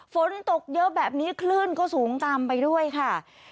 ฝนตกเยอะแบบนี้คลื่นก็สูงตามไปด้วยค่ะ